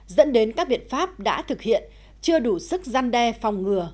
dẫn đến các biện pháp đã thực hiện chưa đủ sức gian đe phòng ngừa